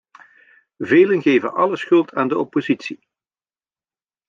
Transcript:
Velen geven alle schuld aan de oppositie.